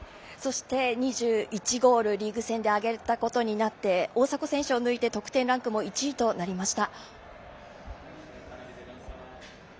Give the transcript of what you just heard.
２１ゴール、リーグ戦で挙げたことで、大迫選手を抜いて得点ランクも１位となりました。